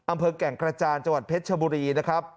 อำเภอแก่งกระจานจังหวัดเพชรชบุรีนะครับ